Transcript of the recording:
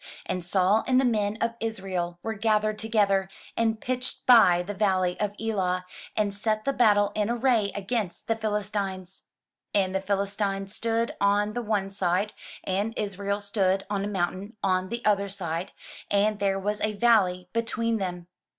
And Saul and the men of Israel were gathered together, and pitched by the valley of Elah, and set the battle in array against the PhiUstines. And the Philistines stood on the one side, and Israel stood on a mountain on the other side, and there was a valley between them.